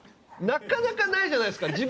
なかなかないじゃないですか。